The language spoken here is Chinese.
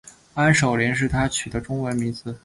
安守廉是他取的中文名字。